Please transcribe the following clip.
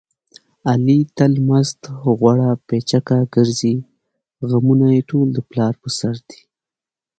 علي تل مست غوړه پیچکه ګرځي. غمونه یې ټول د پلار په سر دي.